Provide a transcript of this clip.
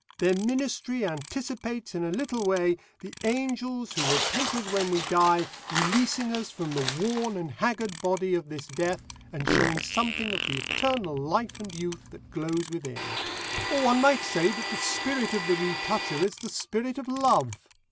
Their ministry anticipates in a little way the angels who will take us when we die, releasing us from the worn and haggard body of this death, and showing something of the eternal life and youth that glows within. Or one might say that the spirit of the retoucher is the spirit of Love.